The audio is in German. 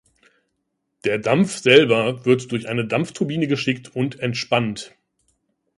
Der Dampf selber wird durch eine Dampfturbine geschickt und entspannt.